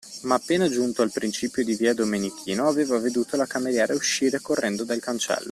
Ma appena giunto al principio di via Domenichino, aveva veduto la cameriera uscir correndo dal cancello